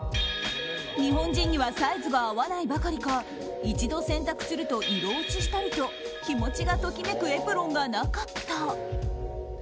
日本人にはサイズが合わないばかりか一度洗濯すると色落ちしたりと気持ちがときめくエプロンがなかった。